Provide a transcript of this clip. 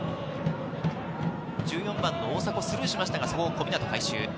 １４番の大迫、スルーしましたが小湊回収。